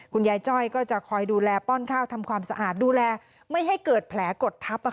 จ้อยก็จะคอยดูแลป้อนข้าวทำความสะอาดดูแลไม่ให้เกิดแผลกดทับ